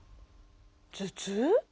頭痛？